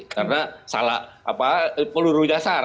karena salah peluru nyasar